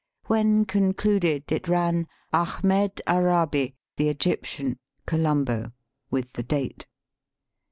When con cluded it ran " Ahmed Arabi, the Egyptian ; Colombo," with the date.